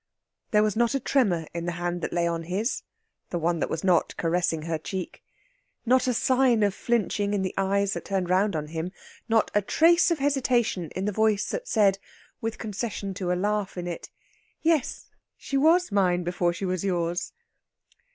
There was not a tremor in the hand that lay in his, the one that was not caressing her cheek; not a sign of flinching in the eyes that turned round on him; not a trace of hesitation in the voice that said, with concession to a laugh in it: "Yes, she was mine before she was yours."